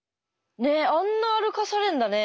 ねっあんな歩かされんだね。